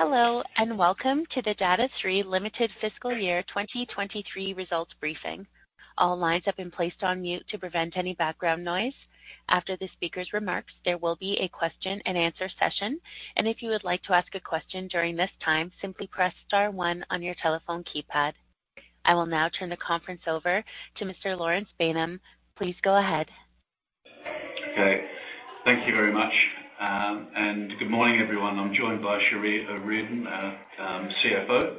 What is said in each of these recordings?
Hello, welcome to the Data#3 Limited Fiscal Year 2023 Results Briefing. All lines have been placed on mute to prevent any background noise. After the speaker's remarks, there will be a question-and-answer session. If you would like to ask a question during this time, simply press star one on your telephone keypad. I will now turn the conference over to Mr. Laurence Baynham. Please go ahead. Okay. Thank you very much, good morning, everyone. I'm joined by Cherie O'Riordan, CFO.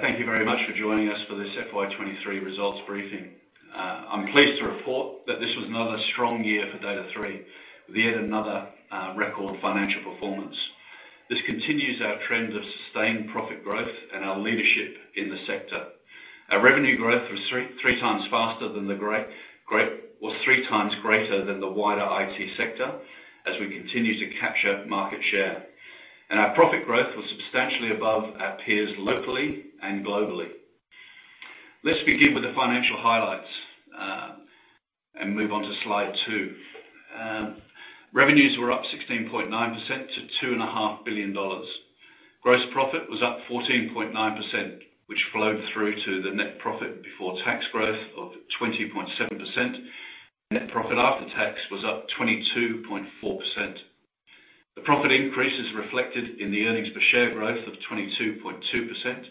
Thank you very much for joining us for this FY2023 results briefing. I'm pleased to report that this was another strong year for Data#3, with yet another record financial performance. This continues our trend of sustained profit growth and our leadership in the sector. Our revenue growth was 3X faster than the wider IT sector as we continue to capture market share. Our profit growth was substantially above our peers, locally and globally. Let's begin with the financial highlights, move on to slide 2. Revenues were up 16.9% to 2.5 billion dollars. Gross profit was up 14.9%, which flowed through to the net profit before tax growth of 20.7%. Net profit after tax was up 22.4%. The profit increase is reflected in the earnings per share growth of 22.2%.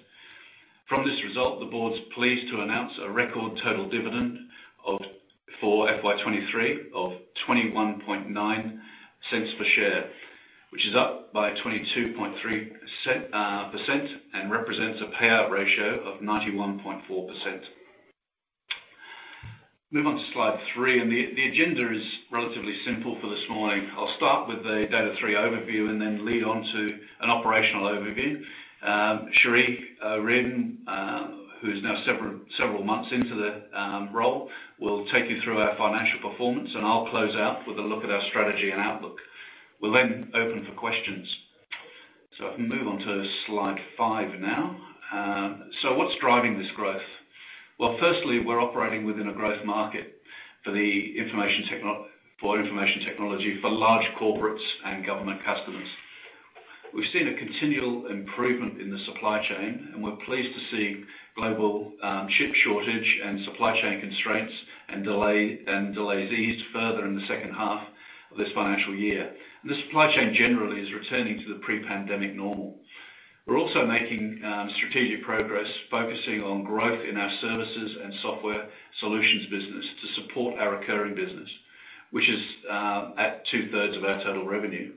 From this result, the board's pleased to announce a record total dividend of, for FY2023, of AUD 0.219 per share, which is up by 22.3%, and represents a payout ratio of 91.4%. Move on to slide three, and the, the agenda is relatively simple for this morning. I'll start with the Data#3 overview and then lead on to an operational overview. Cherie O'Riordan, who's now several, several months into the role, will take you through our financial performance, and I'll close out with a look at our strategy and outlook. We'll open for questions. If we move on to slide five now. What's driving this growth? Well, firstly, we're operating within a growth market for information technology, for large corporates and government customers. We've seen a continual improvement in the supply chain, and we're pleased to see global chip shortage and supply chain constraints and delay, and delays eased further in the second half of this financial year. The supply chain generally is returning to the pre-pandemic normal. We're also making strategic progress, focusing on growth in our services and software solutions business to support our recurring business, which is at two-thirds of our total revenue.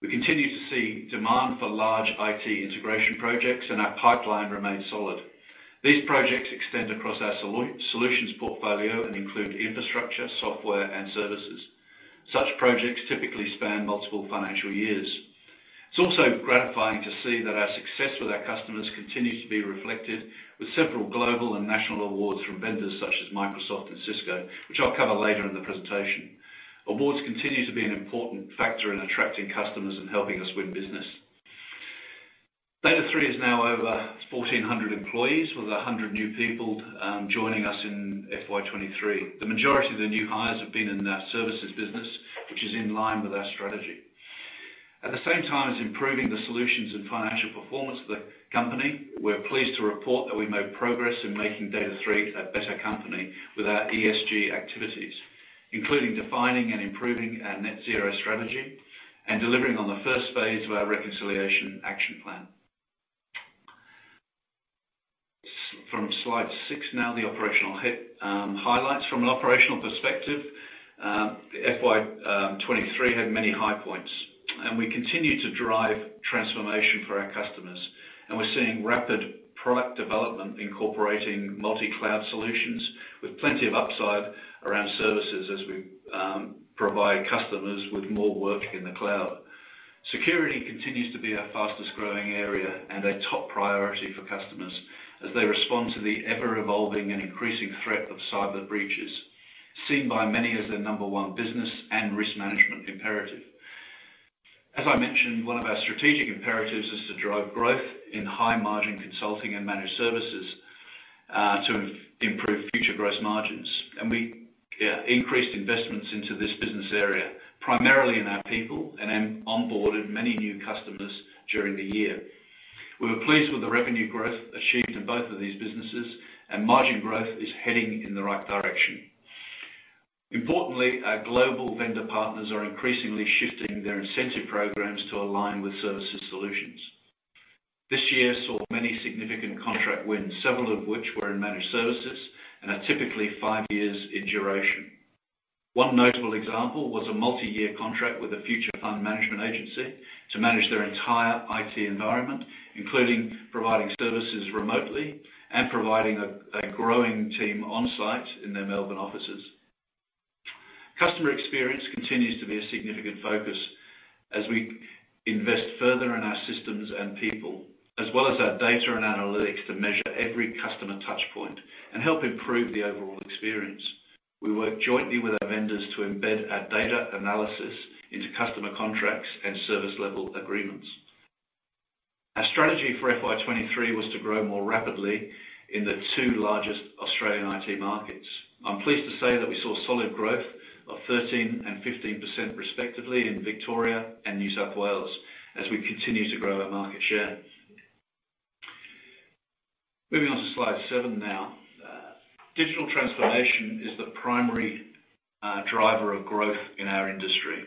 We continue to see demand for large IT integration projects, and our pipeline remains solid. These projects extend across our solutions portfolio and include infrastructure, software, and services. Such projects typically span multiple financial years. It's also gratifying to see that our success with our customers continues to be reflected with several global and national awards from vendors such as Microsoft and Cisco, which I'll cover later in the presentation. Awards continue to be an important factor in attracting customers and helping us win business. Data#3 is now over 1,400 employees, with 100 new people joining us in FY2023. The majority of the new hires have been in our services business, which is in line with our strategy. At the same time as improving the solutions and financial performance of the company, we're pleased to report that we made progress in making Data#3 a better company with our ESG activities, including defining and improving our net zero strategy and delivering on the first Phase of our Reconciliation Action Plan. From slide six, now the operational highlights. From an operational perspective, FY2023 had many high points, and we continue to drive transformation for our customers. We're seeing rapid product development incorporating multi-cloud solutions with plenty of upside around services as we provide customers with more work in the cloud. Security continues to be our fastest-growing area and a top priority for customers as they respond to the ever-evolving and increasing threat of cyber breaches, seen by many as their number one business and risk management imperative. As I mentioned, one of our strategic imperatives is to drive growth in high-margin consulting and managed services to improve future gross margins. We, yeah, increased investments into this business area, primarily in our people, and then onboarded many new customers during the year. We were pleased with the revenue growth achieved in both of these businesses, and margin growth is heading in the right direction. Importantly, our global vendor partners are increasingly shifting their incentive programs to align with services solutions. This year saw many significant contract wins, several of which were in managed services and are typically five years in duration. One notable example was a multi-year contract with a Future Fund Management Agency to manage their entire IT environment, including providing services remotely and providing a growing team on-site in their Melbourne offices. Customer experience continues to be a significant focus as we invest further in our systems and people, as well as our data and analytics, to measure every customer touchpoint and help improve the overall experience. We work jointly with our vendors to embed our data analysis into customer contracts and service level agreements. Our strategy for FY2023 was to grow more rapidly in the two largest Australian IT markets. I'm pleased to say that we saw solid growth of 13% and 15% respectively in Victoria and New South Wales as we continue to grow our market share. Moving on to slide seven now. Digital transformation is the primary driver of growth in our industry.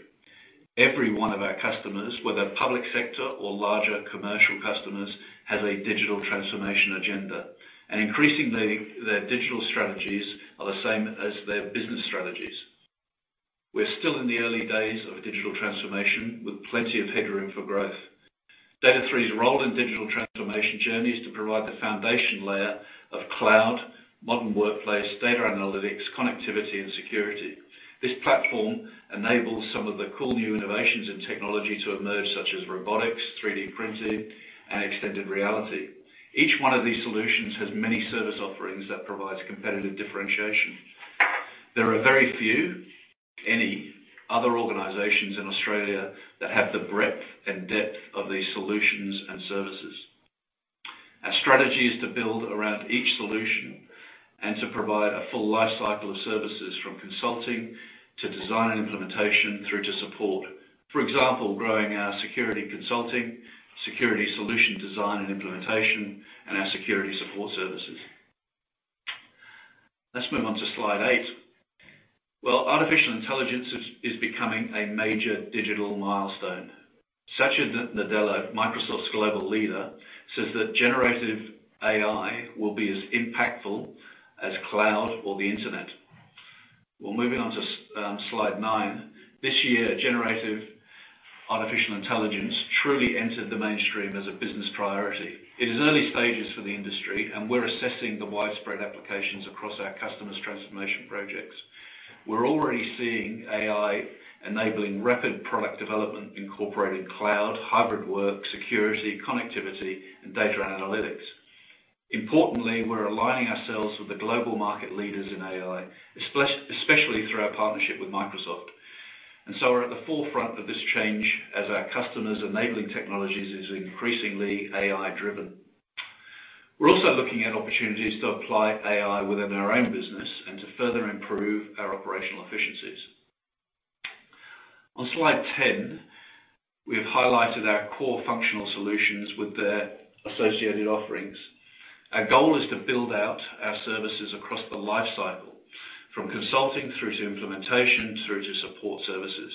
Every one of our customers, whether public sector or larger commercial customers, has a digital transformation agenda, and increasingly, their digital strategies are the same as their business strategies. We're still in the early days of digital transformation, with plenty of headroom for growth. Data#3's role in digital transformation journey is to provide the foundation layer of cloud, modern workplace, data analytics, connectivity, and security. This platform enables some of the cool new innovations in technology to emerge, such as robotics, 3D printing, and extended reality. Each one of these solutions has many service offerings that provides competitive differentiation. There are very few, any other organizations in Australia that have the breadth and depth of these solutions and services. Our strategy is to build around each solution and to provide a full life cycle of services, from consulting to design and implementation, through to support. For example, growing our security consulting, security solution design and implementation, and our security support services. Let's move on to slide eight. Artificial intelligence is becoming a major digital milestone. Satya Nadella, Microsoft's global leader, says that generative AI will be as impactful as cloud or the Internet. Well, moving on to s-- um, slide nine. This year, generative artificial intelligence truly entered the mainstream as a business priority. It is early stages for the industry, and we're assessing the widespread applications across our customers' transformation projects. We're already seeing AI enabling rapid product development, incorporating cloud, hybrid work, security, connectivity, and data analytics. Importantly, we're aligning ourselves with the global market leaders in AI, esplec- especially through our partnership with Microsoft. And so we're at the forefront of this change as our customers' enabling technologies is increasingly AI-driven. We're also looking at opportunities to apply AI within our own business and to further improve our operational efficiencies. On slide ten, we have highlighted our core functional solutions with their associated offerings. Our goal is to build out our services across the life cycle, from consulting through to implementation, through to support services.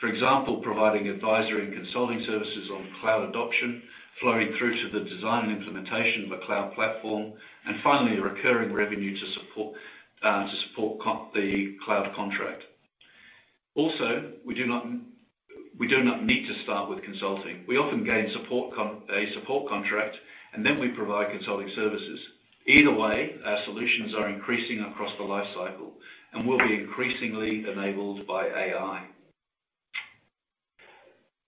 For example, providing advisory and consulting services on cloud adoption, flowing through to the design and implementation of a cloud platform, and finally, a recurring revenue to support, to support the cloud contract. Also, we do not, we do not need to start with consulting. We often gain support a support contract, and then we provide consulting services. Either way, our solutions are increasing across the life cycle and will be increasingly enabled by AI.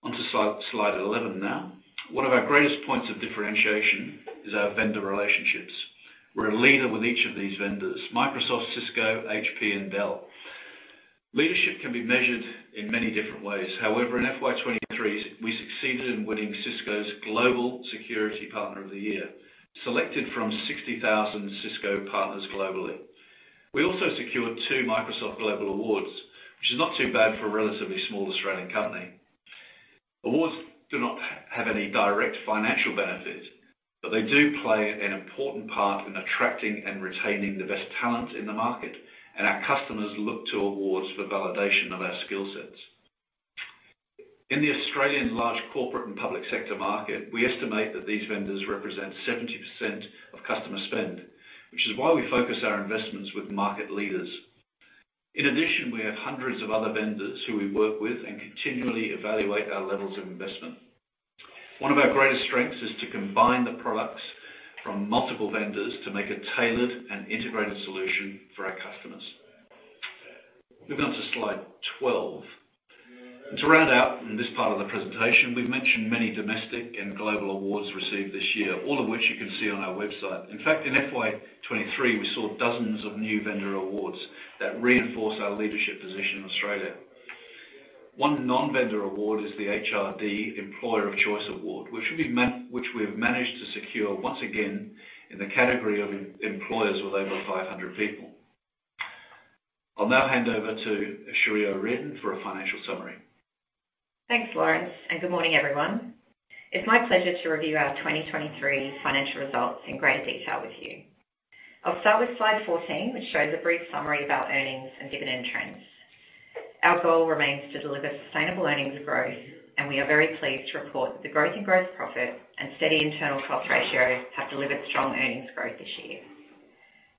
On to slide, slide 11 now. One of our greatest points of differentiation is our vendor relationships. We're a leader with each of these vendors, Microsoft, Cisco, HP, and Dell. Leadership can be measured in many different ways. However, in FY2023, we succeeded in winning Cisco Global Security Partner of the Year, selected from 60,000 Cisco partners globally. We also secured two Microsoft Global awards, which is not too bad for a relatively small Australian company. Awards do not have any direct financial benefits, but they do play an important part in attracting and retaining the best talent in the market, and our customers look to awards for validation of our skill sets. In the Australian large corporate and public sector market, we estimate that these vendors represent 70% of customer spend, which is why we focus our investments with market leaders. In addition, we have hundreds of other vendors who we work with and continually evaluate our levels of investment. One of our greatest strengths is to combine the products from multiple vendors to make a tailored and integrated solution for our customers. Moving on to slide 12. To round out this part of the presentation, we've mentioned many domestic and global awards received this year, all of which you can see on our website. In fact, in FY2023, we saw dozens of new vendor awards that reinforce our leadership position in Australia. One non-vendor award is the HRD Employer of Choice Award, which we have managed to secure once again in the category of employers with over 500 people. I'll now hand over to Cherie O'Riordan for a financial summary. Thanks, Laurence. Good morning, everyone. It's my pleasure to review our 2023 financial results in greater detail with you. I'll start with slide 14, which shows a brief summary of our earnings and dividend trends. Our goal remains to deliver sustainable earnings growth. We are very pleased to report that the growth in gross profit and steady internal cost ratio have delivered strong earnings growth this year.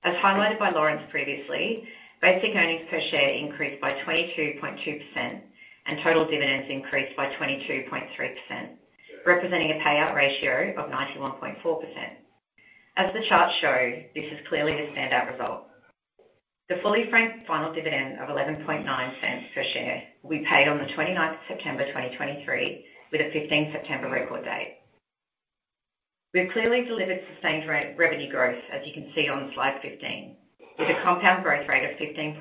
As highlighted by Laurence previously, basic earnings per share increased by 22.2%, and total dividends increased by 22.3%, representing a payout ratio of 91.4%. As the charts show, this is clearly the standout result. The fully frank final dividend of 0.119 per share will be paid on the 29th of September, 2023, with a 15th September record date. We've clearly delivered sustained rate revenue growth, as you can see on slide 15, with a compound growth rate of 15.3%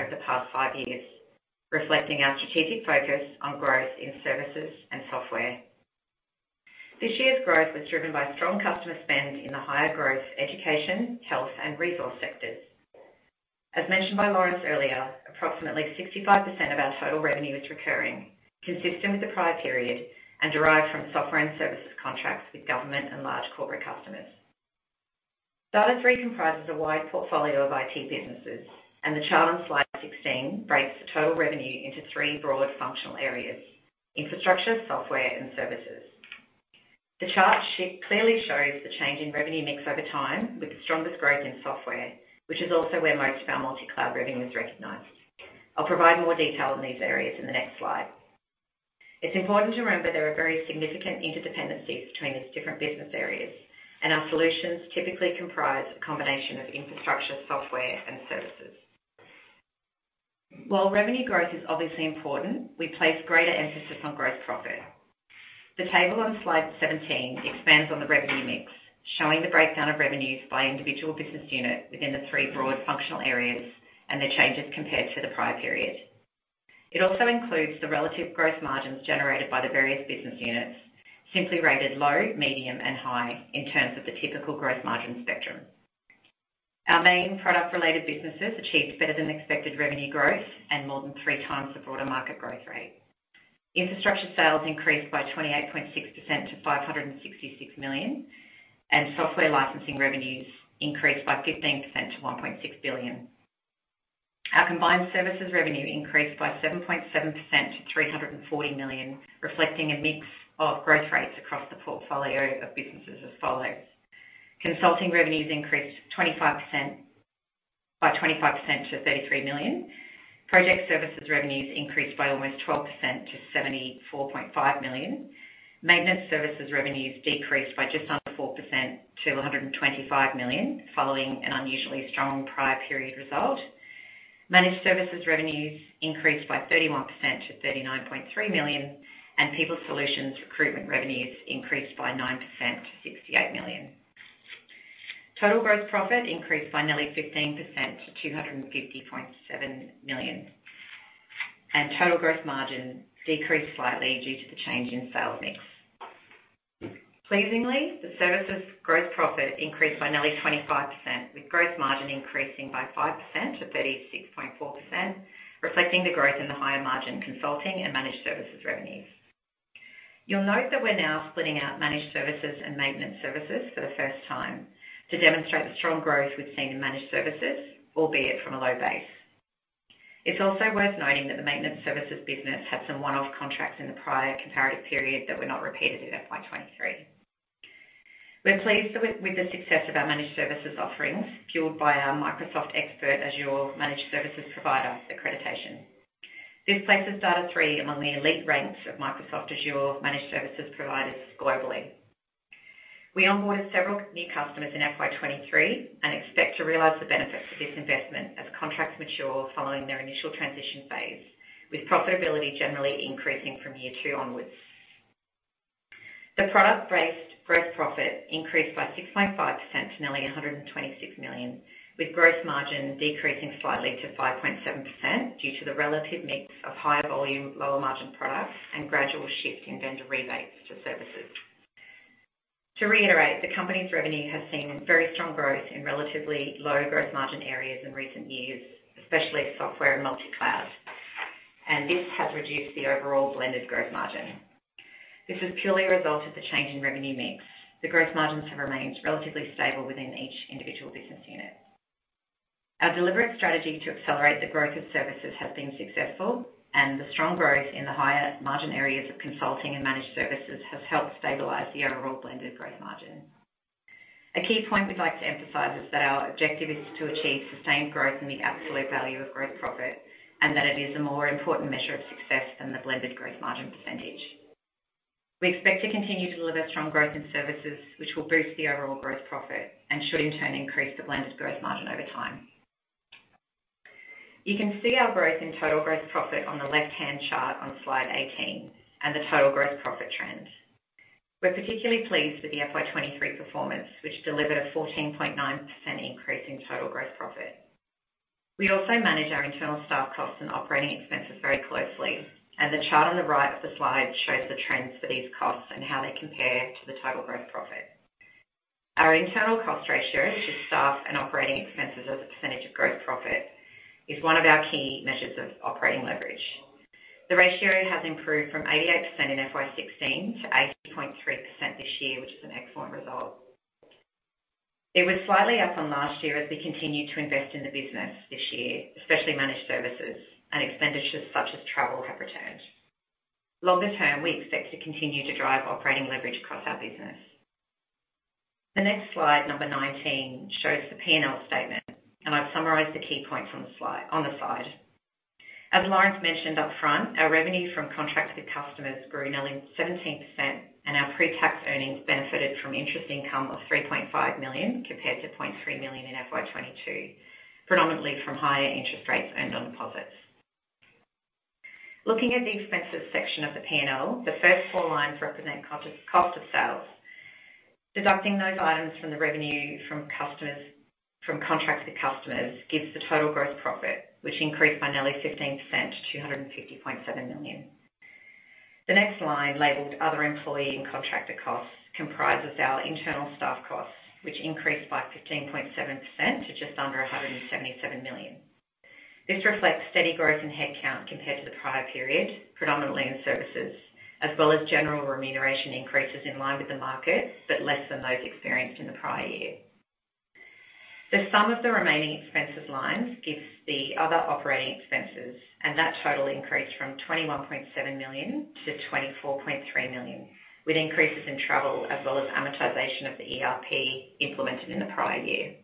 over the past five years. Reflecting our strategic focus on growth in services and software. This year's growth was driven by strong customer spend in the higher growth, education, health, and resource sectors. As mentioned by Laurence earlier, approximately 65% of our total revenue is recurring, consistent with the prior period, and derived from software and services contracts with government and large corporate customers. Data#3 comprises a wide portfolio of IT businesses, and the chart on slide 16 breaks the total revenue into three broad functional areas: infrastructure, software, and services. The chart shift clearly shows the change in revenue mix over time, with the strongest growth in software, which is also where most of our multi-cloud revenue is recognized. I'll provide more detail on these areas in the next slide. It's important to remember there are very significant interdependencies between these different business areas, and our solutions typically comprise a combination of infrastructure, software, and services. While revenue growth is obviously important, we place greater emphasis on gross profit. The table on slide 17 expands on the revenue mix, showing the breakdown of revenues by individual business unit within the three broad functional areas and the changes compared to the prior period. It also includes the relative gross margins generated by the various business units, simply rated low, medium, and high in terms of the typical gross margin spectrum. Our main product-related businesses achieved better than expected revenue growth and more than 3X the broader market growth rate. Infrastructure sales increased by 28.6% to 566 million, and software licensing revenues increased by 15% to 1.6 billion. Our combined services revenue increased by 7.7% to 340 million, reflecting a mix of growth rates across the portfolio of businesses as follows: Consulting revenues increased by 25% to 33 million. Project services revenues increased by almost 12% to 74.5 million. Maintenance services revenues decreased by just under 4% to 125 million, following an unusually strong prior period result. Managed services revenues increased by 31% to 39.3 million, and people solutions recruitment revenues increased by 9% to 68 million. Total growth profit increased by nearly 15% to 250.7 million. Total gross margin decreased slightly due to the change in sales mix. Pleasingly, the services growth profit increased by nearly 25%, with gross margin increasing by 5%-36.4%, reflecting the growth in the higher margin consulting and managed services revenues. You'll note that we're now splitting out managed services and maintenance services for the first time to demonstrate the strong growth we've seen in managed services, albeit from a low base. It's also worth noting that the maintenance services business had some one-off contracts in the prior comparative period that were not repeated in FY2023. We're pleased with the success of our managed services offerings, fueled by our Microsoft Azure Expert Managed Services Provider accreditation. This places Data#3 among the elite ranks of Microsoft Azure managed services providers globally. We onboarded several new customers in FY2023 and expect to realize the benefits of this investment as contracts mature following their initial transition phase, with profitability generally increasing from year two onwards. The product-based growth profit increased by 6.5% to nearly 126 million, with gross margin decreasing slightly to 5.7% due to the relative mix of higher volume, lower margin products, and gradual shift in vendor rebates to services. To reiterate, the company's revenue has seen very strong growth in relatively low gross margin areas in recent years, especially software and multi-cloud, and this has reduced the overall blended gross margin. This is purely a result of the change in revenue mix. The gross margins have remained relatively stable within each individual business unit. Our deliberate strategy to accelerate the growth of services has been successful, and the strong growth in the higher margin areas of consulting and managed services has helped stabilize the overall blended gross margin. A key point we'd like to emphasize is that our objective is to achieve sustained growth in the absolute value of gross profit, and that it is a more important measure of success than the blended gross margin %. We expect to continue to deliver strong growth in services, which will boost the overall gross profit and should in turn increase the blended gross margin over time. You can see our growth in total gross profit on the left-hand chart on slide 18 and the total gross profit trend. We're particularly pleased with the FY2023 performance, which delivered a 14.9% increase in total gross profit. We also manage our internal staff costs and operating expenses very closely. The chart on the right of the slide shows the trends for these costs and how they compare to the total gross profit. Our internal cost ratio, which is staff and operating expenses as a percentage of gross profit, is one of our key measures of operating leverage. The ratio has improved from 88% in FY2016 to 80.3% this year, which is an excellent result. It was slightly up from last year as we continued to invest in the business this year, especially managed services and expenditures such as travel have returned. Longer-term, we expect to continue to drive operating leverage across our business. The next slide, number 19, shows the P&L statement. I've summarized the key points on the slide, on the slide. As Laurence mentioned upfront, our revenue from contracts with customers grew nearly 17%, our pre-tax earnings benefited from interest income of 3.5 million compared to 0.3 million in FY2022, predominantly from higher interest rates earned on deposits. Looking at the expenses section of the P&L, the first four lines represent cost of sales. Deducting those items from the revenue from customers, from contracted customers, gives the total gross profit, which increased by nearly 15% to 250.7 million. The next line, labeled Other Employee and Contractor Costs, comprises our internal staff costs, which increased by 15.7% to just under 177 million. This reflects steady growth in headcount compared to the prior period, predominantly in services, as well as general remuneration increases in line with the market, but less than those experienced in the prior year. The sum of the remaining expenses lines gives the other operating expenses. That total increased from 21.7 million-24.3 million, with increases in travel as well as amortization of the ERP implemented in the prior year.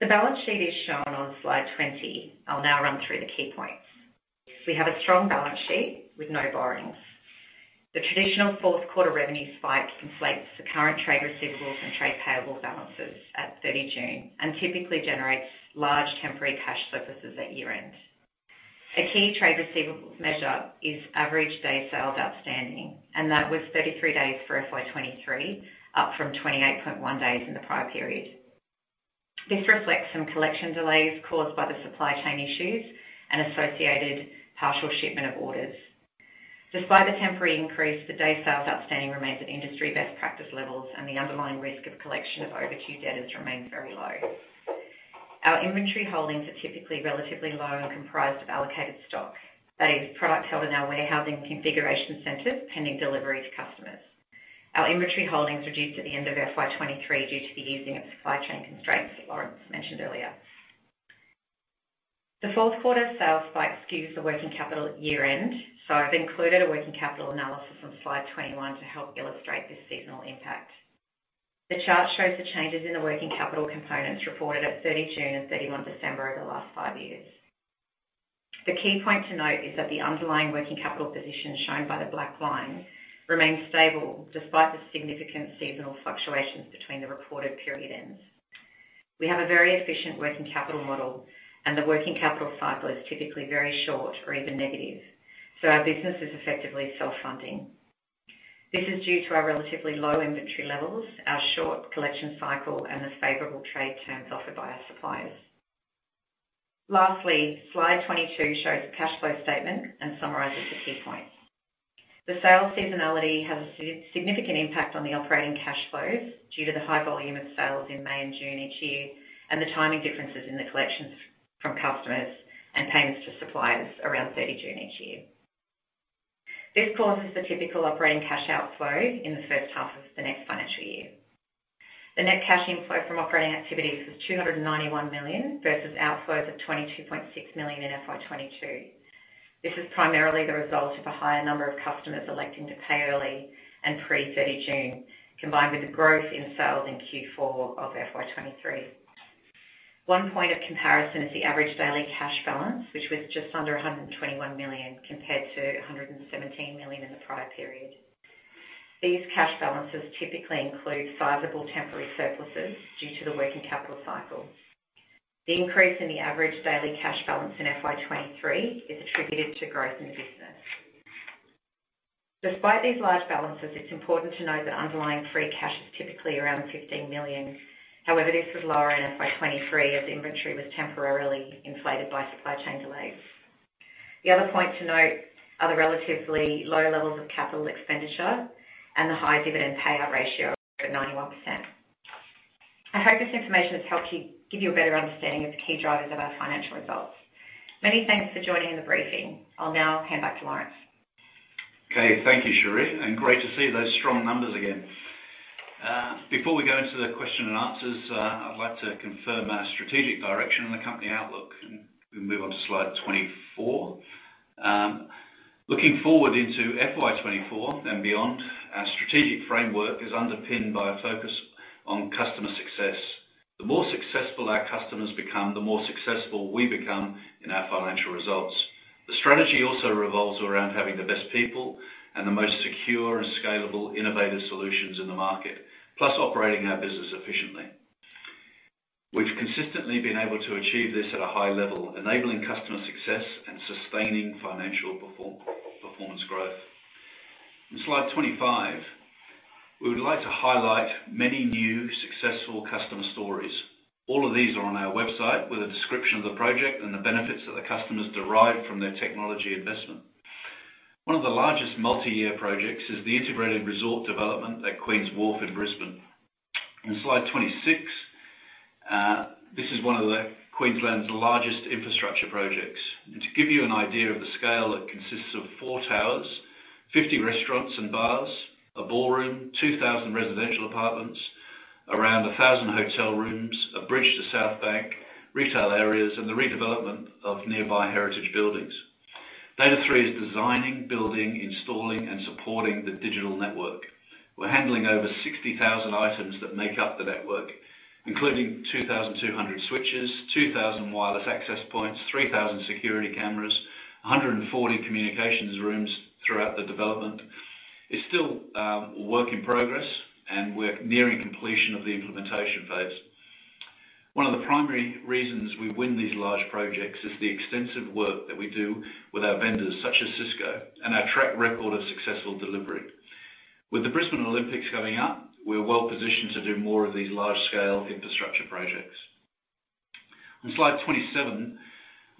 The balance sheet is shown on slide 20. I'll now run through the key points. We have a strong balance sheet with no borrowings. The traditional fourth quarter revenue spike inflates the current trade receivables and trade payable balances at 30 June, typically generates large temporary cash surpluses at year-end. A key trade receivables measure is average days sales outstanding, and that was 33 days for FY2023, up from 28.1 days in the prior period. This reflects some collection delays caused by the supply chain issues and associated partial shipment of orders. Despite the temporary increase, the days sales outstanding remains at industry best practice levels, and the underlying risk of collection of overdue debtors remains very low. Our inventory holdings are typically relatively low and comprised of allocated stock. That is, products held in our warehousing configuration centers, pending delivery to customers. Our inventory holdings reduced at the end of FY2023 due to the easing of supply chain constraints that Laurence mentioned earlier. The fourth quarter sales spike skews the working capital at year-end, so I've included a working capital analysis on slide 21 to help illustrate this seasonal impact. The chart shows the changes in the working capital components reported at 30 June and 31 December over the last five years. The key point to note is that the underlying working capital position, shown by the black line, remains stable despite the significant seasonal fluctuations between the reported period ends. We have a very efficient working capital model, and the working capital cycle is typically very short or even negative, so our business is effectively self-funding. This is due to our relatively low inventory levels, our short collection cycle, and the favorable trade terms offered by our suppliers. Lastly, slide 22 shows the cash flow statement and summarizes the key points. The sales seasonality has a significant impact on the operating cash flows due to the high volume of sales in May and June each year, and the timing differences in the collections from customers and payments to suppliers around 30 June each year. This causes the typical operating cash outflow in the first half of the next financial year. The net cash inflow from operating activities was 291 million versus outflows of 22.6 million in FY2022. This is primarily the result of a higher number of customers electing to pay early and pre-30 June, combined with the growth in sales in Q4 of FY2023. One point of comparison is the average daily cash balance, which was just under 121 million, compared to 117 million in the prior period. These cash balances typically include sizable temporary surpluses due to the working capital cycle. The increase in the average daily cash balance in FY2023 is attributed to growth in the business. Despite these large balances, it's important to note that underlying free cash is typically around 15 million. However, this was lower in FY2023, as inventory was temporarily inflated by supply chain delays. The other point to note are the relatively low levels of capital expenditure and the high dividend payout ratio of 91%. I hope this information has helped you give you a better understanding of the key drivers of our financial results. Many thanks for joining the briefing. I'll now hand back to Laurence. Okay, thank you, Cherie, great to see those strong numbers again. Before we go into the question and answers, I'd like to confirm our strategic direction and the company outlook. We'll move on to slide 24. Looking forward into FY2024 and beyond, our strategic framework is underpinned by a focus on customer success. The more successful our customers become, the more successful we become in our financial results. The strategy also revolves around having the best people and the most secure and scalable, innovative solutions in the market, plus operating our business efficiently. We've consistently been able to achieve this at a high level, enabling customer success and sustaining financial performance growth. In slide 25, we would like to highlight many new successful customer stories. All of these are on our website with a description of the project and the benefits that the customers derive from their technology investment. One of the largest multi-year projects is the integrated resort development at Queens Wharf in Brisbane. In slide 26, this is one of the Queensland's largest infrastructure projects. To give you an idea of the scale, it consists of four towers, 50 restaurants and bars, a ballroom, 2,000 residential apartments, around 1,000 hotel rooms, a bridge to South Bank, retail areas, and the redevelopment of nearby heritage buildings. Data#3 is designing, building, installing, and supporting the digital network. We're handling over 60,000 items that make up the network, including 2,200 switches, 2,000 wireless access points, 3,000 security cameras, 140 communications rooms throughout the development. It's still a work in progress, and we're nearing completion of the implementation phase. One of the primary reasons we win these large projects is the extensive work that we do with our vendors, such as Cisco, and our track record of successful delivery. With the Brisbane Olympics coming up, we are well-positioned to do more of these large-scale infrastructure projects. On slide 27,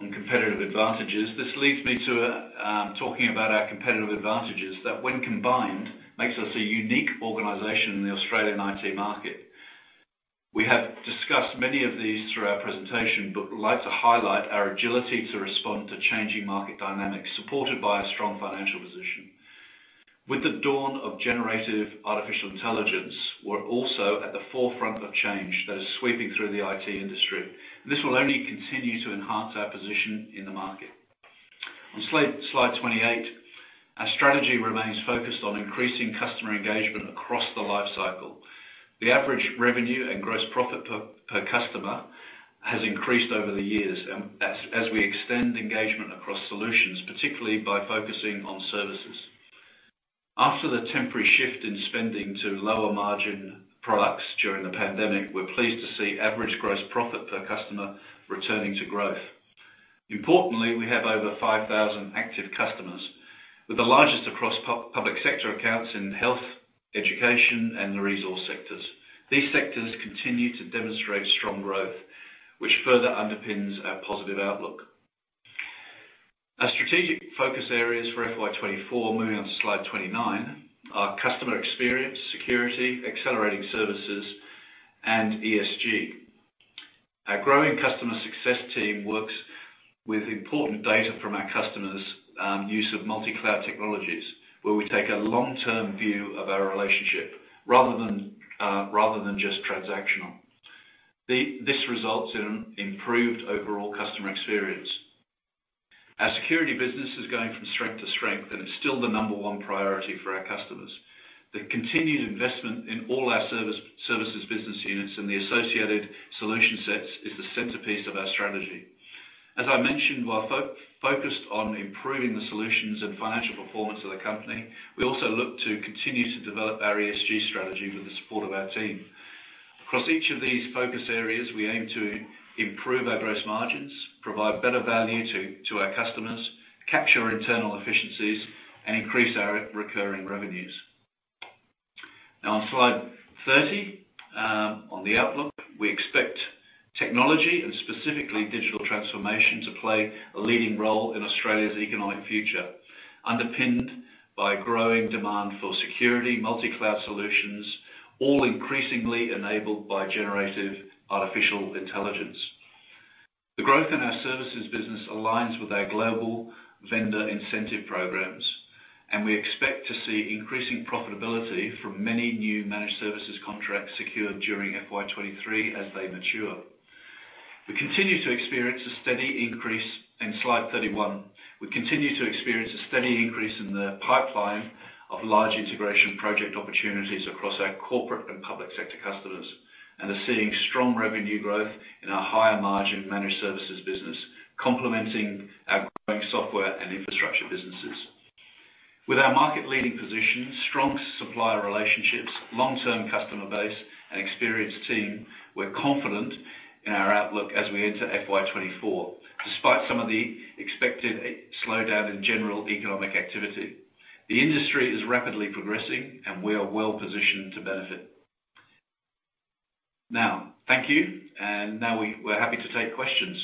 on competitive advantages, this leads me to talking about our competitive advantages that when combined, makes us a unique organization in the Australian IT market. We have discussed many of these through our presentation, but we'd like to highlight our agility to respond to changing market dynamics, supported by a strong financial position. With the dawn of generative artificial intelligence, we're also at the forefront of change that is sweeping through the IT industry. This will only continue to enhance our position in the market. On slide 28, our strategy remains focused on increasing customer engagement across the life cycle. The average revenue and gross profit per customer has increased over the years, as we extend engagement across solutions, particularly by focusing on services. After the temporary shift in spending to lower margin products during the pandemic, we're pleased to see average gross profit per customer returning to growth. Importantly, we have over 5,000 active customers, with the largest across public sector accounts in health, education, and the resource sectors. These sectors continue to demonstrate strong growth, which further underpins our positive outlook. Our strategic focus areas for FY2024, moving on to slide 29, are customer experience, security, accelerating services, and ESG. Our growing customer success team works with important data from our customers' use of multi-cloud technologies, where we take a long-term view of our relationship rather than rather than just transactional. This results in improved overall customer experience. Our security business is going from strength to strength, it's still the number one priority for our customers. The continued investment in all our services business units and the associated solution sets is the centerpiece of our strategy. As I mentioned, while focused on improving the solutions and financial performance of the company, we also look to continue to develop our ESG strategy with the support of our team. Across each of these focus areas, we aim to improve our gross margins, provide better value to our customers, capture internal efficiencies, and increase our recurring revenues. Now, on slide 30, on the outlook, we expect technology and specifically digital transformation, to play a leading role in Australia's economic future, underpinned by growing demand for security, multi-cloud solutions, all increasingly enabled by generative artificial intelligence. The growth in our services business aligns with our global vendor incentive programs. We expect to see increasing profitability from many new managed services contracts secured during FY2023 as they mature. In slide 31, we continue to experience a steady increase in the pipeline of large integration project opportunities across our corporate and public sector customers, and are seeing strong revenue growth in our higher margin managed services business, complementing our growing software and infrastructure businesses. With our market-leading position, strong supplier relationships, long-term customer base, and experienced team, we're confident in our outlook as we enter FY2024, despite some of the expected slowdown in general economic activity. The industry is rapidly progressing, and we are well positioned to benefit. Now, thank you, and now we're happy to take questions.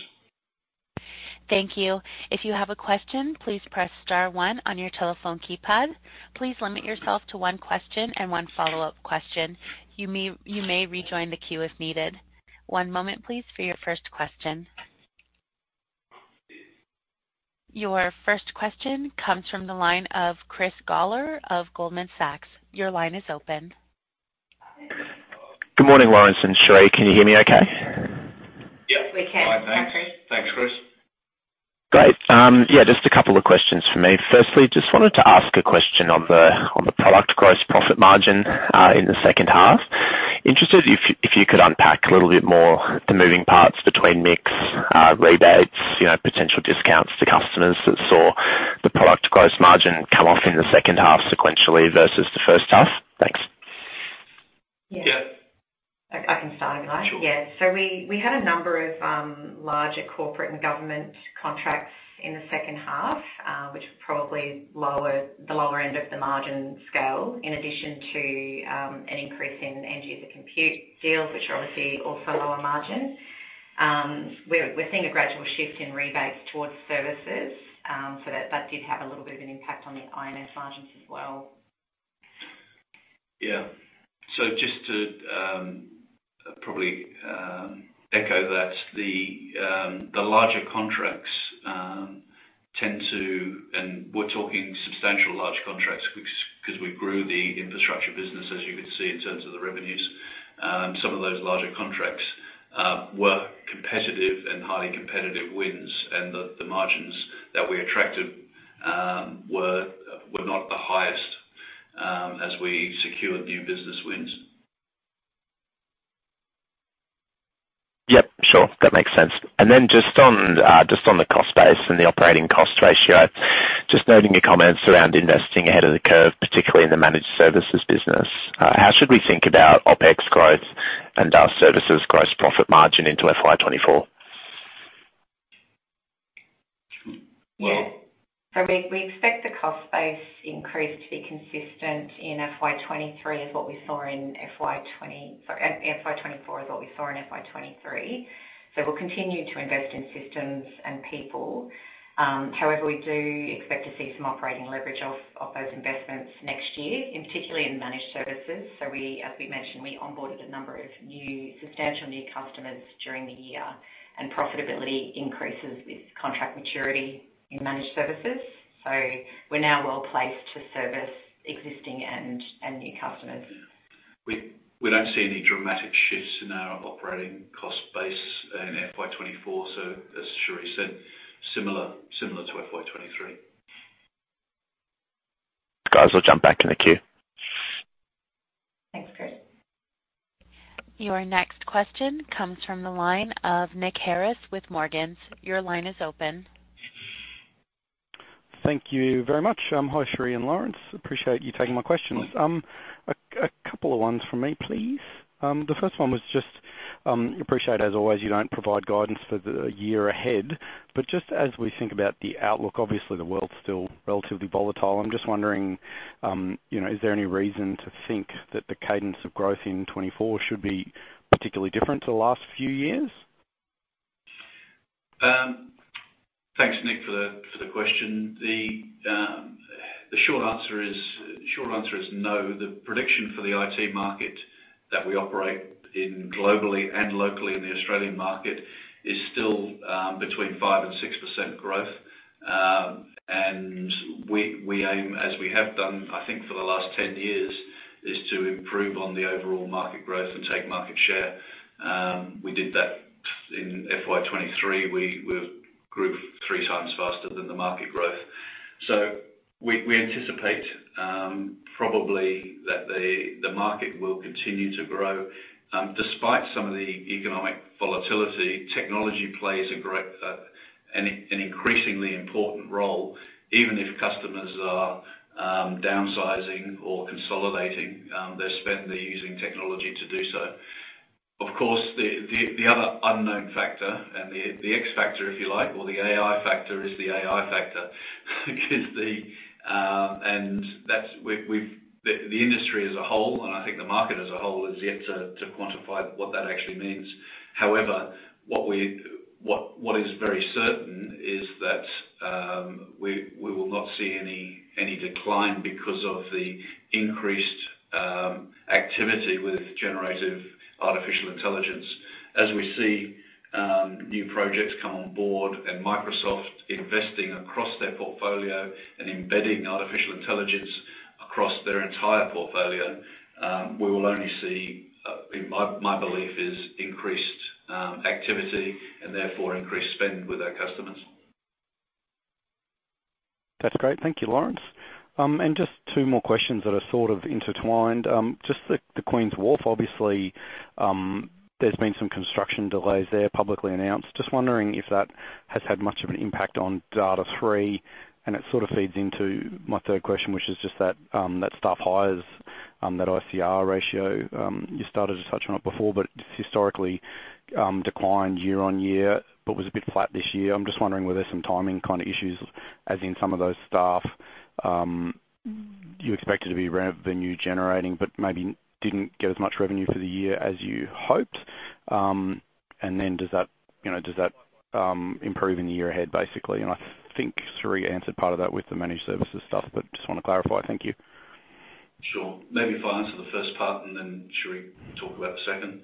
Thank you. If you have a question, please press star one on your telephone keypad. Please limit yourself to one question and one follow-up question. You may, you may rejoin the queue if needed. One moment, please, for your first question. Your first question comes from the line of Chris Gawler of Goldman Sachs. Your line is open. Good morning, Laurence and Cherie. Can you hear me okay? Yep. We can. Fine, thanks. Thanks, Chris. Great. Yeah, just a couple of questions for me. Firstly, just wanted to ask a question on the, on the product gross profit margin, in the second half. Interested if, if you could unpack a little bit more the moving parts between mix, rebates, you know, potential discounts to customers that saw the product gross margin come off in the second half sequentially versus the first half? Thanks. Yeah. Yeah. I, I can start, if you like? Sure. Yeah. We, we had a number of, larger corporate and government contracts in the second half, which were probably lower- the lower end of the margin scale, in addition to, an increase in end-user computing deals, which are obviously also lower margin. We're, we're seeing a gradual shift in rebates towards services, so that did have a little bit of an impact on the INS margins as well. Yeah. Just to, probably, echo that, the larger contracts tend to... We're talking substantial, large contracts, because, because we grew the infrastructure business, as you can see, in terms of the revenues. Some of those larger contracts were competitive and highly competitive wins, and the margins that we attracted were not the highest as we secured new business wins. Yep, sure. That makes sense. Just on, just on the cost base and the operating cost ratio, just noting your comments around investing ahead of the curve, particularly in the managed services business, how should we think about OpEx growth and our services gross profit margin into FY2024? Yeah. We, we expect the cost base increase to be consistent in FY2023, as what we saw in sorry, FY2024, as what we saw in FY2023. We'll continue to invest in systems and people. However, we do expect to see some operating leverage off those investments next year, and particularly in managed services. We, as we mentioned, we onboarded a number of new, substantial new customers during the year, and profitability increases with contract maturity in managed services. We're now well placed to service existing and new customers. We, we don't see any dramatic shifts in our operating cost base in FY2024, so as Cherie said, similar, similar to FY2023. Guys, I'll jump back in the queue. Thanks, Chris. Your next question comes from the line of Nick Harris with Morgans. Your line is open. Thank you very much. hi, Cherie and Laurence. Appreciate you taking my questions. a couple of ones from me, please. The first one was just, appreciate, as always, you don't provide guidance for the year ahead. Just as we think about the outlook, obviously, the world's still relatively volatile. I'm just wondering, you know, is there any reason to think that the cadence of growth in 2024 should be particularly different to the last few years? Thanks, Nick, for the, for the question. The, the short answer is, the short answer is no. The prediction for the IT market that we operate in globally and locally in the Australian market is still, between 5%-6% growth. We, we aim, as we have done, I think, for the last 10 years, is to improve on the overall market growth and take market share. We did that in FY2023. We, we grew 3X faster than the market growth. We, we anticipate, probably that the, the market will continue to grow. Despite some of the economic volatility, technology plays a great, an, an increasingly important role, even if customers are, downsizing or consolidating, their spend, they're using technology to do so. Of course, the, the, the other unknown factor and the, the X factor, if you like, or the AI factor, is the AI factor, is the. That's we've, we've. The industry as a whole, and I think the market as a whole, is yet to, to quantify what that actually means. However, what we, what, what is very certain is that we, we will not see any, any decline because of the increased activity with generative artificial intelligence. As we see new projects come on board and Microsoft investing across their portfolio and embedding artificial intelligence across their entire portfolio, we will only see, my belief is, increased activity and therefore increased spend with our customers. That's great. Thank you, Laurence. Just two more questions that are sort of intertwined. Just the, the Queens Wharf, obviously, there's been some construction delays there, publicly announced. Just wondering if that has had much of an impact on Data#3, and it sort of feeds into my third question, which is just that, that staff hires, that ICR ratio. You started to touch on it before, but historically, declined year-on-year, but was a bit flat this year. I'm just wondering, were there some timing kind of issues, as in some of those staff, you expected to be re- revenue generating, but maybe didn't get as much revenue for the year as you hoped? Does that, you know, does that, improve in the year ahead, basically? I think Cherie answered part of that with the managed services stuff, but just want to clarify. Thank you. Sure. Maybe if I answer the first part, and then Cherie, talk about the second.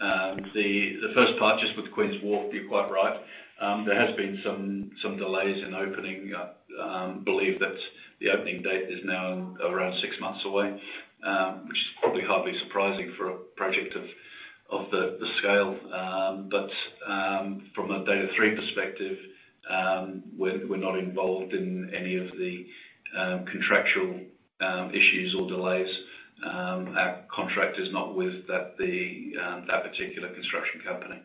Yeah. The, the first part, just with Queens Wharf, you're quite right. There has been some, some delays in opening. I believe that the opening date is now around six months away, which is probably hardly surprising for a project of, of the, the scale. From a Data#3 perspective, we're, we're not involved in any of the, contractual, issues or delays. Our contract is not with that, the, that particular construction company.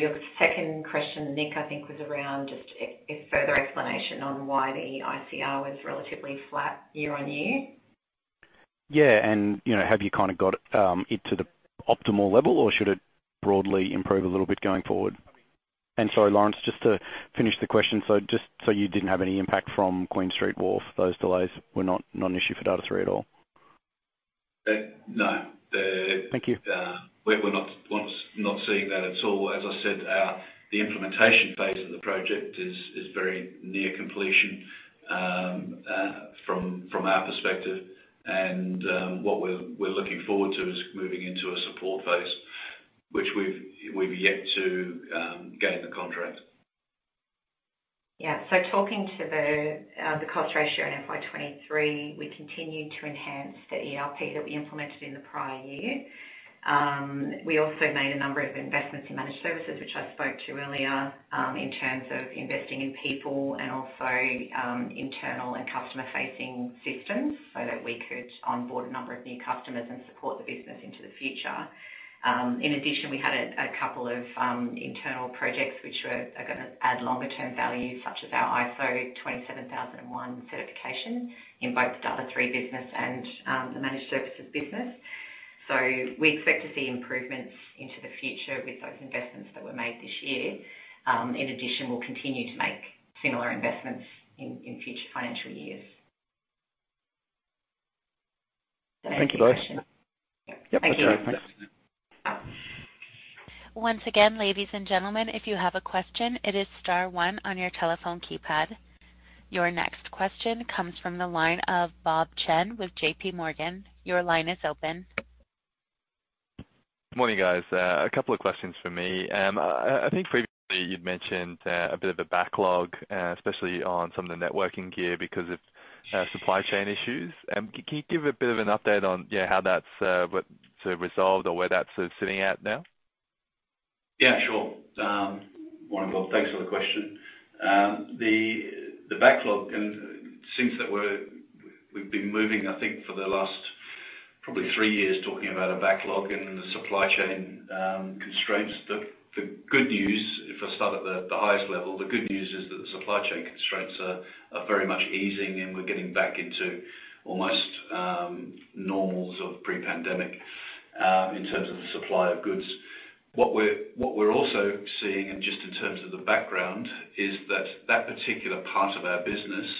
Your second question, Nick, I think, was around just a, a further explanation on why the ICR was relatively flat year-on-year. Yeah, and, you know, have you kind of got it to the optimal level, or should it broadly improve a little bit going forward? Sorry, Laurence, just to finish the question, so just so you didn't have any impact from Queen Street Wharf, those delays were not, not an issue for Data#3 at all? No. Thank you. We're not, not seeing that at all. As I said, our, the implementation phase of the project is, is very near completion, from, from our perspective. What we're, we're looking forward to is moving into a support phase, which we've, we've yet to, gain the contract. Yeah. Talking to the cost ratio in FY2023, we continued to enhance the ERP that we implemented in the prior year. We also made a number of investments in managed services, which I spoke to earlier, in terms of investing in people and also, internal and customer-facing systems, so that we could onboard a number of new customers and support the business into the future. In addition, we had a couple of internal projects which are going to add longer-term value, such as our ISO 27001 certification in both the Data#3 business and the managed services business. We expect to see improvements into the future with those investments that were made this year. In addition, we'll continue to make similar investments in future financial years. Thank you, guys. Thank you. Yep. Thanks. Once again, ladies and gentlemen, if you have a question, it is star one on your telephone keypad. Your next question comes from the line of Bob Chen with JPMorgan. Your line is open. Morning, guys. A couple of questions for me. I, I think previously you'd mentioned a bit of a backlog, especially on some of the networking gear because of supply chain issues. Can you give a bit of an update on, yeah, how that's what sort of resolved or where that's sort of sitting at now? Yeah, sure. Morning, Bob Chen. Thanks for the question. The backlog and seems that we've been moving, I think, for the last probably three years, talking about a backlog and the supply chain constraints. The good news, if I start at the highest level, the good news is that the supply chain constraints are very much easing, and we're getting back into almost normals of pre-pandemic in terms of the supply of goods. What we're also seeing, and just in terms of the background, is that that particular part of our business,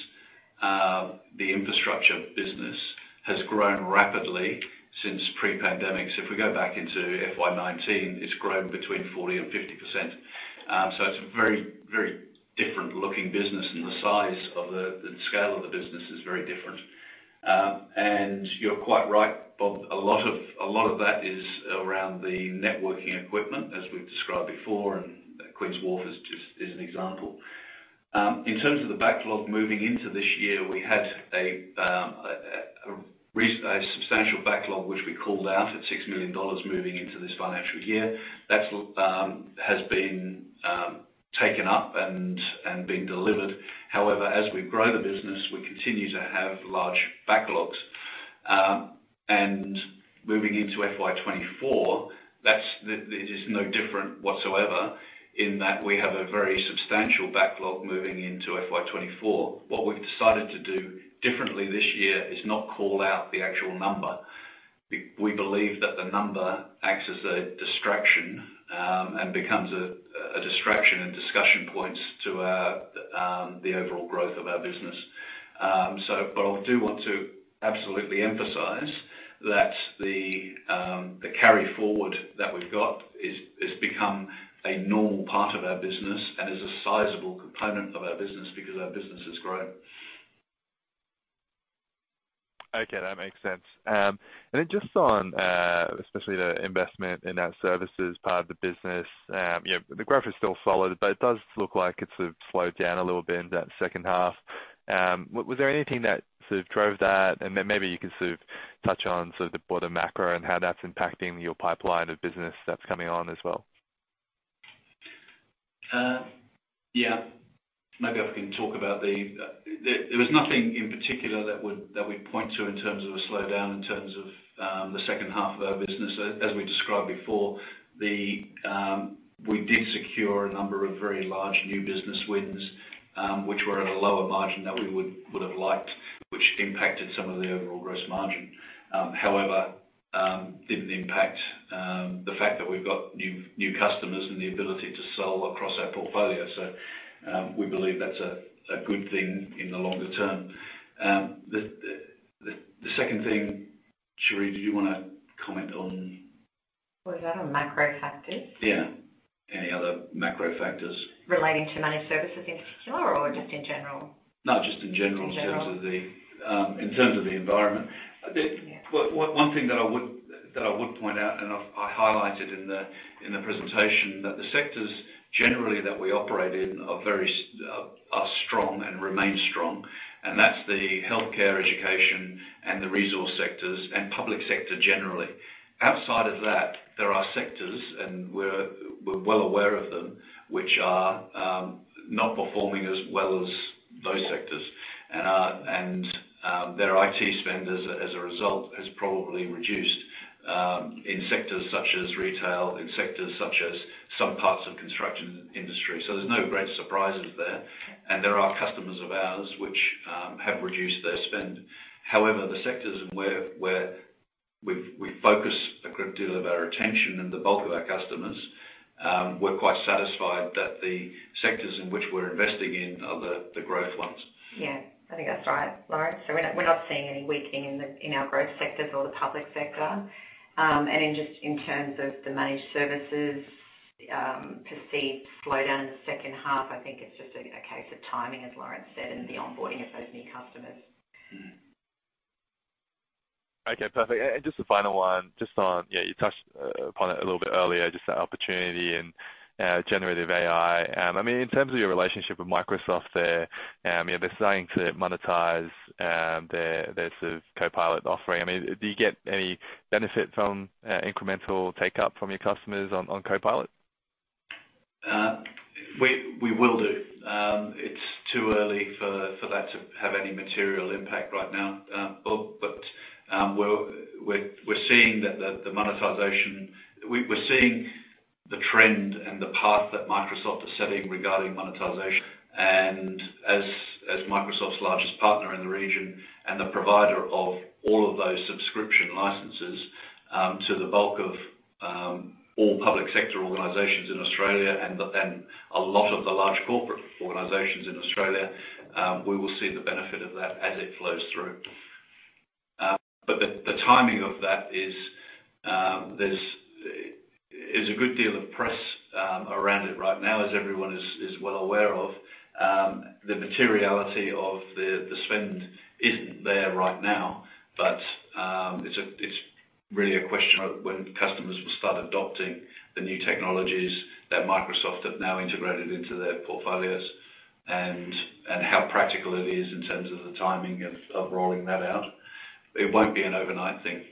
the infrastructure business, has grown rapidly since pre-pandemic. If we go back into FY2019, it's grown between 40% and 50%. It's a very, very different looking business, and the size of the scale of the business is very different. And you're quite right, Bob. A lot of, a lot of that is around the networking equipment, as we've described before, and Queens Wharf is just, is an example. In terms of the backlog moving into this year, we had a substantial backlog, which we called out at 6 million dollars moving into this financial year. That's has been taken up and been delivered. However, as we grow the business, we continue to have large backlogs. And moving into FY2024, that's, it is no different whatsoever in that we have a very substantial backlog moving into FY2024. What we've decided to do differently this year is not call out the actual number. We, we believe that the number acts as a distraction, and becomes a distraction and discussion points to our, the overall growth of our business. But I do want to absolutely emphasize that the, the carry forward that we've got is, is become a normal part of our business and is a sizable component of our business because our business has grown. Okay, that makes sense. Just on, especially the investment in our services part of the business, you know, the growth is still solid, but it does look like it's sort of slowed down a little bit in that second half. Was there anything that sort of drove that? Maybe you can sort of touch on sort of the broader macro and how that's impacting your pipeline of business that's coming on as well. Yeah, maybe I can talk about the... there, there was nothing in particular that would, that we'd point to in terms of a slowdown, in terms of the second half of our business. As, as we described before, the, we did secure a number of very large new business wins, which were at a lower margin than we would, would have liked, which impacted some of the overall gross margin. However, didn't impact the fact that we've got new, new customers and the ability to sell across our portfolio. We believe that's a, a good thing in the longer-term. The second thing, Cherie, do you want to comment on? Was that on macro factors? Yeah. Any other macro factors. Relating to managed services in particular or just in general? No, just in general- General... in terms of the, in terms of the environment. Yeah. The one thing that I would, that I would point out, and I've, I highlighted in the, in the presentation, that the sectors generally that we operate in are very strong and remain strong, and that's the healthcare, education, and the resource sectors, and public sector generally. Outside of that, there are sectors, and we're, we're well aware of them, which are not performing as well as those sectors. Their IT spend as a result, has probably reduced in sectors such as retail, in sectors such as some parts of construction industry. There's no great surprises there. There are customers of ours which have reduced their spend. However, the sectors in where, where we've, we focus a great deal of our attention and the bulk of our customers, we're quite satisfied that the sectors in which we're investing in are the, the growth ones. Yeah, I think that's right, Laurence. We're not, we're not seeing any weakening in the, in our growth sectors or the public sector. In just in terms of the managed services, perceived slowdown in the second half, I think it's just a case of timing, as Laurence said, and the onboarding of those new customers. Mm. Okay, perfect. Just a final one, just on, yeah, you touched upon it a little bit earlier, just the opportunity and generative AI. I mean, in terms of your relationship with Microsoft there, you know, they're starting to monetize their, their sort of Copilot offering. I mean, do you get any benefit from incremental take-up from your customers on, on Copilot?... we, we will do. It's too early for, for that to have any material impact right now. We're, we're, we're seeing that the, the monetization-- we're seeing the trend and the path that Microsoft is setting regarding monetization. As, as Microsoft's largest partner in the region and the provider of all of those subscription licenses, to the bulk of, all public sector organizations in Australia and the, and a lot of the large corporate organizations in Australia, we will see the benefit of that as it flows through. The, the timing of that is, there's, there's a good deal of press, around it right now, as everyone is, is well aware of. The materiality of the, the spend isn't there right now. It's a, it's really a question of when customers will start adopting the new technologies that Microsoft have now integrated into their portfolios and, and how practical it is in terms of the timing of, of rolling that out. It won't be an overnight thing.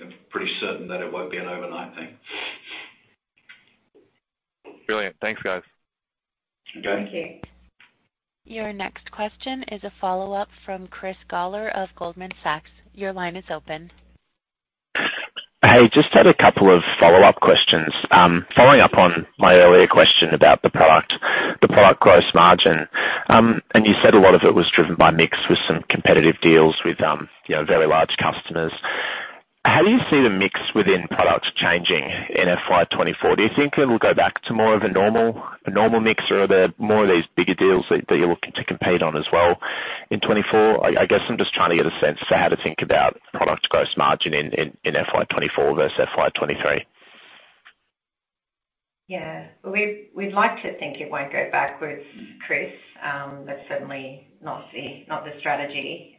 I'm pretty certain that it won't be an overnight thing. Brilliant. Thanks, guys. Okay. Thank you. Your next question is a follow-up from Chris Gawler of Goldman Sachs. Your line is open. Hey, just had a couple of follow-up questions. Following up on my earlier question about the product, the product gross margin. You said a lot of it was driven by mix with some competitive deals with, you know, very large customers. How do you see the mix within products changing in FY2024? Do you think it will go back to more of a normal, a normal mix, or are there more of these bigger deals that, that you're looking to compete on as well in 2024? I, I guess I'm just trying to get a sense for how to think about product gross margin in, in, in FY2024 versus FY2023. Yeah. We'd, we'd like to think it won't go backwards, Chris. That's certainly not the, not the strategy.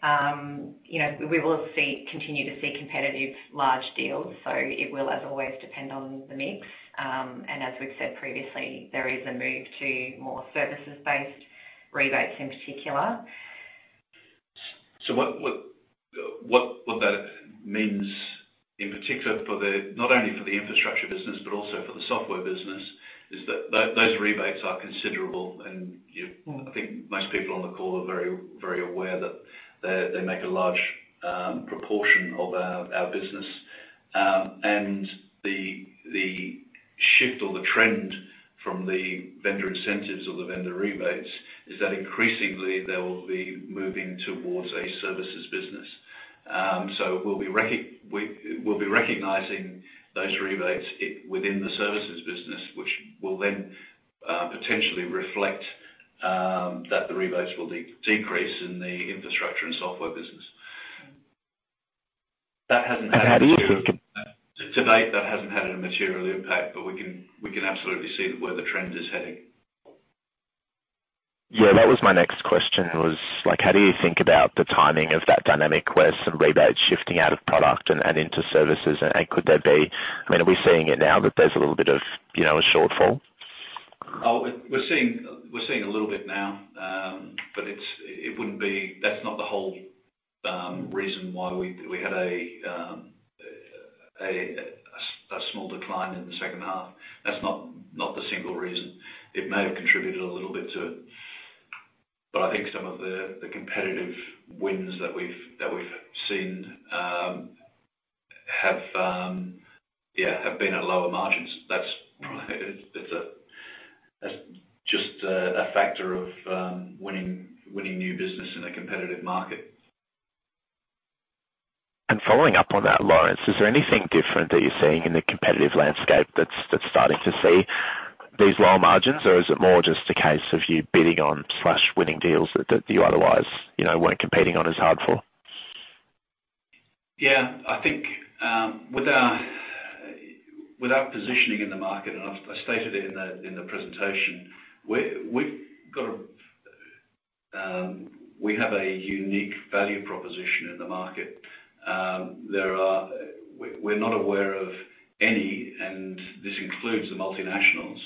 You know, we will see, continue to see competitive large deals, so it will as always, depend on the mix. As we've said previously, there is a move to more services-based rebates in particular. What that means in particular for the, not only for the infrastructure business, but also for the software business, is that those rebates are considerable. You know, I think most people on the call are very, very aware that they, they make a large proportion of our business. The shift or the trend from the vendor incentives or the vendor rebates is that increasingly they will be moving towards a services business. We'll be recognizing those rebates within the services business, which will then potentially reflect that the rebates will decrease in the infrastructure and software business. That hasn't had- How do you think- To date, that hasn't had a material impact, but we can, we can absolutely see where the trend is heading. Yeah, that was my next question, was like, how do you think about the timing of that dynamic, where some rebates shifting out of product and into services? Could there be... I mean, are we seeing it now, that there's a little bit of, you know, a shortfall? Oh, we're, we're seeing, we're seeing a little bit now. It's, that's not the whole reason why we, we had a small decline in the second half. That's not, not the single reason. It may have contributed a little bit to it, but I think some of the, the competitive wins that we've, that we've seen, have, yeah, have been at lower margins. That's, it's a, that's just a factor of winning, winning new business in a competitive market. Following up on that, Lawrence, is there anything different that you're seeing in the competitive landscape that's starting to see these lower margins? Or is it more just a case of you bidding on slash winning deals that, that you otherwise, you know, weren't competing on as hard for? Yeah, I think, with our, with our positioning in the market, and I, I stated it in the, in the presentation, we, we've got a, we have a unique value proposition in the market. We, we're not aware of any, and this includes the multinationals,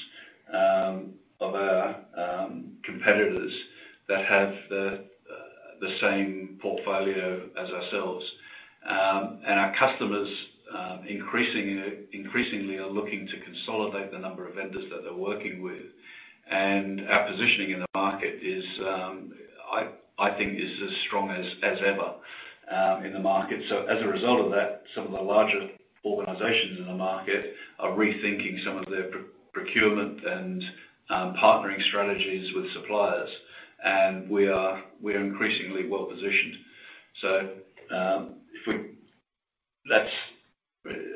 of our, competitors that have the same portfolio as ourselves. Our customers, increasingly are looking to consolidate the number of vendors that they're working with. Our positioning in the market is, I, I think is as strong as, as ever, in the market. As a result of that, some of the larger organizations in the market are rethinking some of their procurement and partnering strategies with suppliers. We are, we are increasingly well positioned. That's,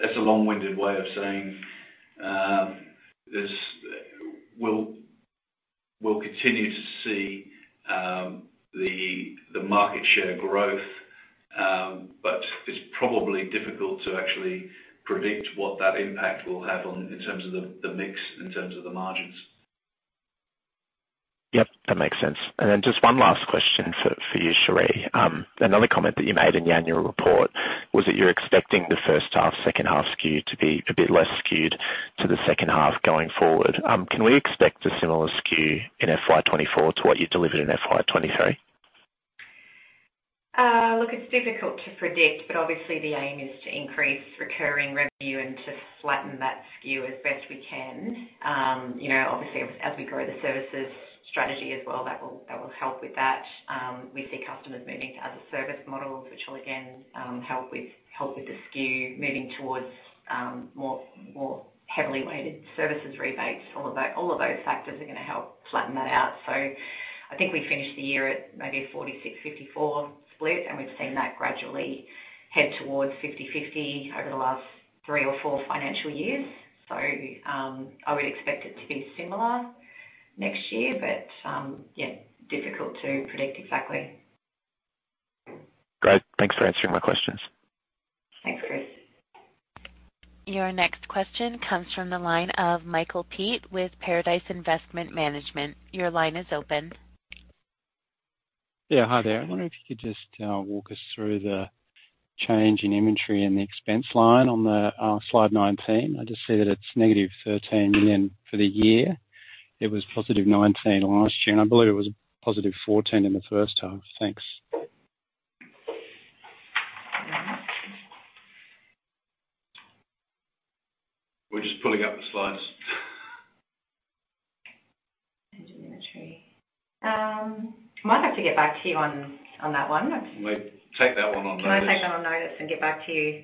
that's a long-winded way of saying, We'll, we'll continue to see, the, the market share growth, but it's probably difficult to actually predict what that impact will have on in terms of the, the mix, in terms of the margins. Yep, that makes sense. Then just one last question for, for you, Cherie. Another comment that you made in the annual report was that you're expecting the first half, second half skew to be a bit less skewed to the second half going forward. Can we expect a similar skew in FY2024 to what you delivered in FY2023? Look, it's difficult to predict, but obviously the aim is to increase recurring revenue and to flatten that SKU as best we can. You know, obviously, as, as we grow the services strategy as well, that will, that will help with that. We see customers moving to as-a-service model, which will again, help with, help with the SKU moving towards, more, more heavily weighted services rebates. All of those, all of those factors are going to help flatten that out. I think we finished the year at maybe a 46/54 split, and we've seen that gradually head towards 50/50 over the last three or four financial years. I would expect it to be similar next year, but, yeah, difficult to predict exactly. Great. Thanks for answering my questions. Thanks, Chris. Your next question comes from the line of Michael Peet with Paradice Investment Management. Your line is open. Yeah, hi there. I wonder if you could just walk us through the change in inventory and the expense line on the slide 19. I just see that it's -13 million for the year. It was +19 million last year, and I believe it was +14 million in the first half. Thanks. We're just pulling up the slides. Inventory. I might have to get back to you on, on that one. We take that one on notice. Can I take that on notice and get back to you?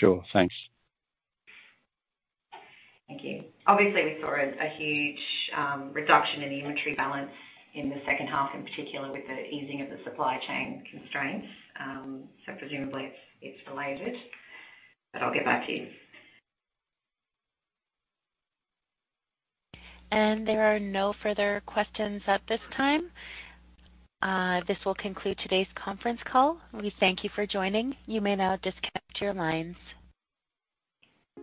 Sure. Thanks. Thank you. Obviously, we saw a huge reduction in the inventory balance in the second half, in particular, with the easing of the supply chain constraints. Presumably it's related, but I'll get back to you. There are no further questions at this time. This will conclude today's conference call. We thank you for joining. You may now disconnect your lines.